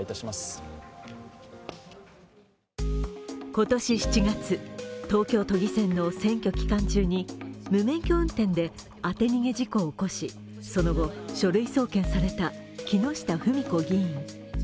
今年７月、東京都議選の選挙期間中に無免許運転で当て逃げ事故を起こしその後書類送検された、木下富美子議員。